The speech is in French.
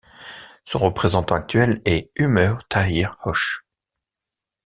Son représentant actuel est Umer Tahir Hosh.